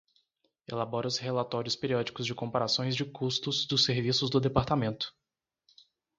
Elabora os relatórios periódicos de comparações de custos dos serviços do Departamento.